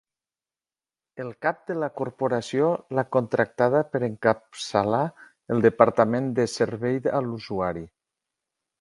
El cap de la corporació l'ha contractada per encapçalar el departament de servei a l'usuari.